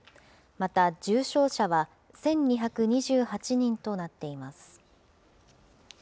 また重症者は１２２８人となっています。